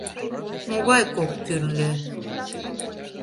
— Могай кок тӱрлӧ?